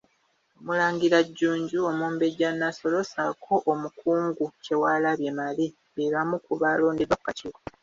Omulangira Jjunju, Omumbejja Nassolo ssaako Omukungu Kyewalabye Male be bamu ku baalondeddwa ku kakiiko.